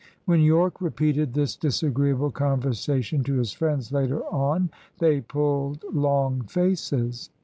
When Yorke repeated this disagreeable conversation to his friends later on, they pulled long faces.